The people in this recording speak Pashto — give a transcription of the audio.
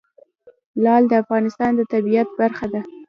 لعل د افغانستان د طبیعت برخه ده.